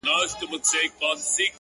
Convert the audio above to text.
پر موږ همېش یاره صرف دا رحم جهان کړی دی؛